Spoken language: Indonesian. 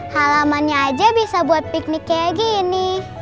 halamannya aja bisa buat piknik kayak gini